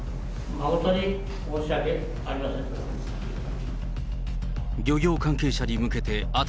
誠に申し訳ありませんでした。